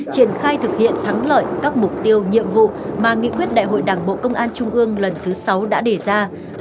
triển khai thực hiện thắng lợi các mục tiêu nhiệm vụ mà nghị quyết đại hội đảng bộ công an trung ương lần thứ sáu đã đề ra